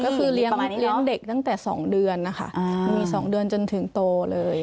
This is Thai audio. ก็คือเลี้ยงเด็กตั้งแต่๒เดือนนะคะมี๒เดือนจนถึงโตเลย